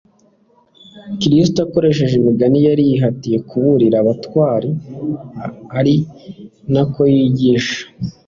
Kristo akoresheje imigani, yari yihatiye kuburira abatware ari nako yigisha